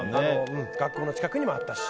学校の近くにもあったし。